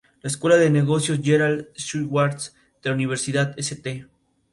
La Escuela de Negocios Gerald Schwartz de la Universidad St.